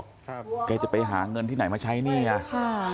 ครับแกจะไปหาเงินที่ไหนมาใช้ใช่ครับ